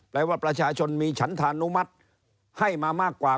แปลว่าประชาชนมีฉันธานุมัติให้มามากกว่า